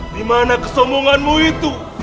di mana kesombonganmu itu